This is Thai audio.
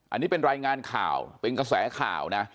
อันนี้เป็นรายงานข่าวเป็นกระแสข่าวนะ